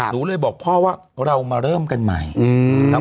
หนูเลยบอกพ่อว่าเรามาเริ่มกันใหม่